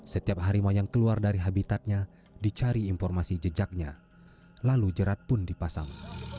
setiap harimau yang keluar dari habitatnya dicari informasi jejaknya lalu jerat pun dipasang